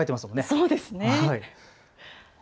そうですね。